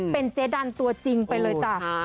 เป็นเจ๊ดันตัวจริงไปเลยจ้ะ